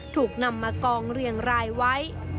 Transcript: ถูกนำมากองเรียงรายไว้